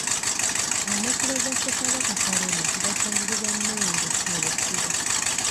Amasiro ga Ssekabaka Kalema gasangibwa Mmende mu Busiro.